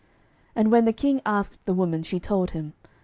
12:008:006 And when the king asked the woman, she told him.